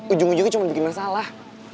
ujung ujungnya cuma bikin masalah